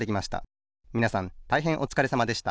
みなさんたいへんおつかれさまでした